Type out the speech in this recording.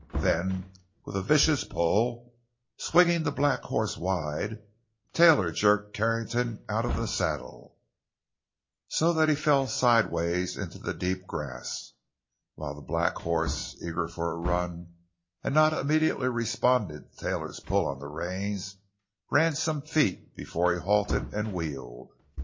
Then with a vicious pull, swinging the black horse wide, Taylor jerked Carrington out of the saddle, so that he fell sidewise into the deep grass—while the black horse, eager for a run, and not immediately responding to Taylor's pull on the reins, ran some feet before he halted and wheeled.